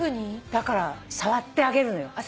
だから触ってあげるのよ。